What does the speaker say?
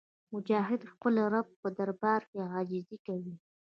مجاهد د خپل رب په دربار کې عاجزي کوي.